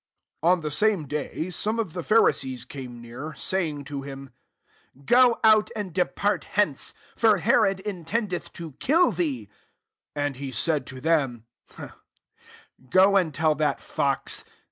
31 On the same day, some of the Pharisees came near, say ing to him, " Go out, and depart hence : for Herod intendeth to kill thee." 32 And he said ta them, *^ Go and tell that fox.